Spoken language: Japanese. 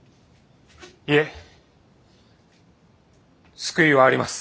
いえ救いはあります。